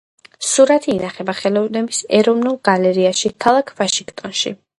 სურათი ინახება ხელოვნების ეროვნულ გალერეაში, ქალაქ ვაშინგტონში.